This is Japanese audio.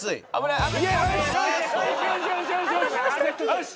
よし！